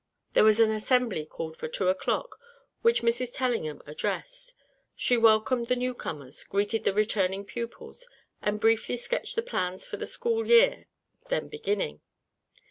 There was an assembly called for two o'clock which Mrs. Tellingham addressed. She welcomed the new comers, greeted the returning pupils, and briefly sketched the plans for the school year then beginning.